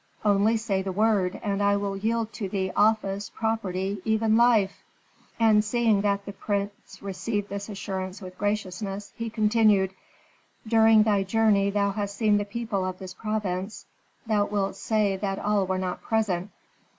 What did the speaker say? Only say the word and I will yield to thee office, property, even life." And, seeing that the prince received this assurance with graciousness, he continued, "During thy journey thou hast seen the people of this province. Thou wilt say that all were not present.